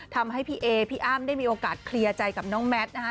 ทำให้พี่เอพี่อ้ำได้มีโอกาสเคลียร์ใจกับน้องแมทนะคะ